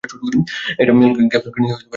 এটা মেল গিবসনকে সাথে নিয়ে করতে পারবো না।